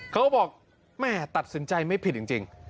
เขาบอกแม่ตัดสินใจไม่ผิดจริง